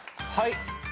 はい。